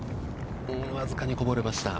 僅かにこぼれました。